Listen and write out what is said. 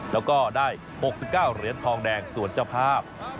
แล้วก็ได้๖๙เหรียญทองแดงส่วนเจ้าภาพ